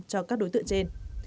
cho các đối tượng trên